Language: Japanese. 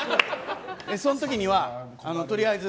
その時には、とりあえず。